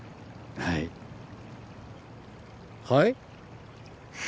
はいはい？